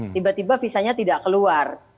tiba tiba visa nya tidak keluar